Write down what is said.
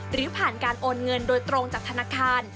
หรือผ่านการโอนเงินโดยตรงจากธนาคาร